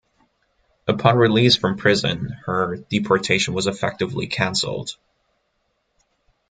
Upon release from prison, her deportation was effectively cancelled.